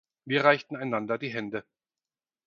Wir reichten einander die Hände.